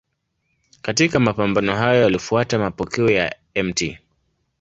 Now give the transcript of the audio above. Katika mapambano hayo alifuata mapokeo ya Mt.